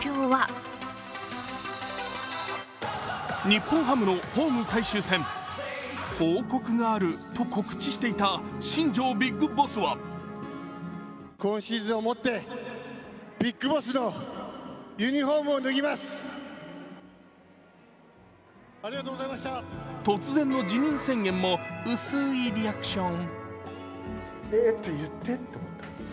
日本ハムのホーム最終戦報告があると告知していた新庄ＢＩＧＢＯＳＳは突然の辞任宣言も、薄いリアクション。